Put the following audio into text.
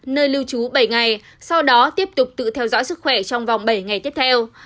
nơi lưu trú bảy ngày sau đó tiếp tục tự theo dõi sức khỏe trong vòng bảy ngày tiếp theo